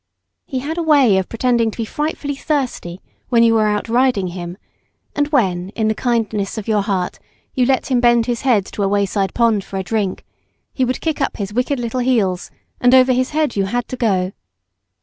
He had a way of pretending to be frightfully thirsty when you were out riding him, and when, in the kindness of your heart, you let him bend his head to a wayside pond for a drink, be would kick up his wicked little heels and over his head you had to go.